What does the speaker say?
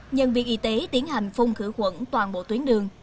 nhân viên y tế tiến hành phung khử quận toàn bộ tuyến đường